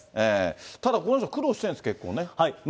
ただこの人、苦労してるんですね。